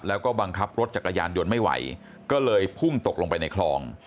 แล้วก็บังคับรถจักรยานยนต์ไม่ไหวก็เลยพุ่งตกลงไปในคลอง